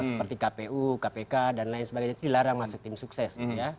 seperti kpu kpk dan lain sebagainya itu dilarang masuk tim sukses